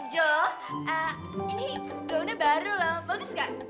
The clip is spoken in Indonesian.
joe ini daunnya baru loh box gak